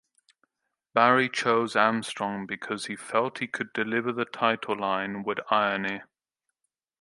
Barry chose Armstrong because he felt he could deliver the title line with irony.